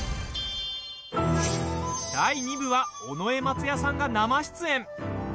第２部は尾上松也さんが生出演！